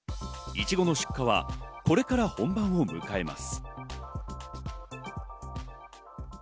イチゴの出荷はこれからが本番も迎えます。